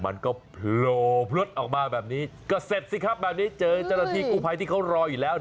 มันก็โผล่พลุดออกมาแบบนี้ก็เสร็จสิครับแบบนี้เจอเจ้าหน้าที่กู้ภัยที่เขารออยู่แล้ว